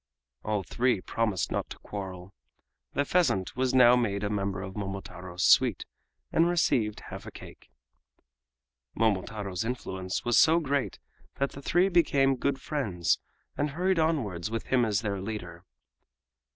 All the three promised not to quarrel. The pheasant was now made a member of Momotaro's suite, and received half a cake. Momotaro's influence was so great that the three became good friends, and hurried onwards with him as their leader.